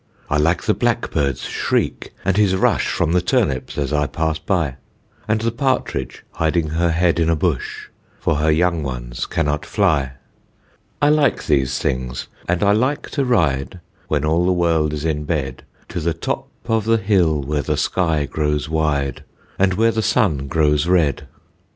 I like the blackbird's shriek, and his rush From the turnips as I pass by, And the partridge hiding her head in a bush, For her young ones cannot fly. I like these things, and I like to ride When all the world is in bed, To the top of the hill where the sky grows wide, And where the sun grows red.